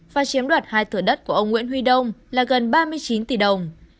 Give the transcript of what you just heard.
và chiếm đoạt hai thửa đất của ông nguyễn huy đông là gần ba mươi chín tỷ đồng